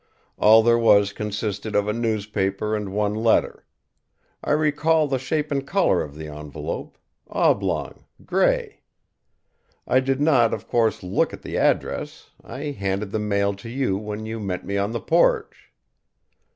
All there was consisted of a newspaper and one letter. I recall the shape and colour of the envelope oblong, grey. I did not, of course, look at the address. I handed the mail to you when you met me on the porch."